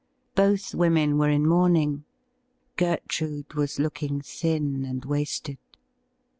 Both women were in mourning. Gertrude was looking thin and wasted.